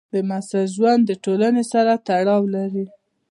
د محصل ژوند د ټولنې سره تړاو لري.